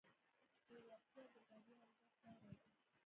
زړورتیا د بریا او عزت لاره ده.